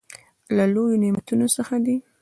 له لويو نعمتونو څخه دى.